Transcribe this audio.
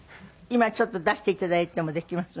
今ちょっと出して頂いてもできます？